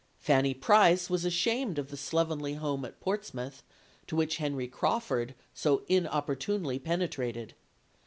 Fanny Price was ashamed of the slovenly home at Portsmouth to which Henry Crawford so inopportunely penetrated.